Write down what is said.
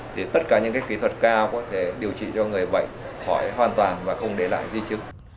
thì tất cả những kỹ thuật cao có thể điều trị cho người bệnh khỏi hoàn toàn và không để lại di chứng